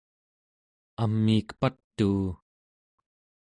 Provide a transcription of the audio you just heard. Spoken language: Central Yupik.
amiik patuu!